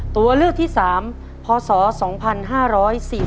ตัวเลือกที่สามพศสองพันห้าร้อยสี่สิบหก